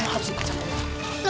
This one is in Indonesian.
lepasin tuh apa